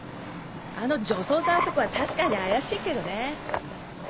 あの除草剤男は確かに怪しいけどね。